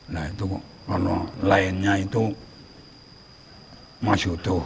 nah itu kalau lainnya itu masjid tuh